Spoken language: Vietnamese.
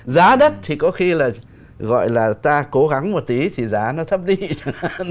giá đất thì có khi là gọi là ta cố gắng một tí thì giá nó thấp đi chẳng hạn